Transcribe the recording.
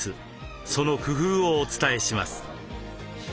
その工夫をお伝えします。